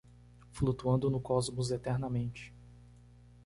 Flutuando no cosmos eternamente.